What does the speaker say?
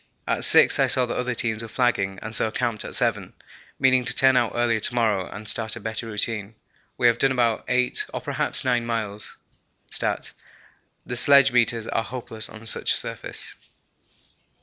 At 6 I saw the other teams were flagging and so camped at 7, meaning to turn out earlier to morrow and start a better routine. We have done about 8 or perhaps 9 miles (stat.) the sledge meters are hopeless on such a surface.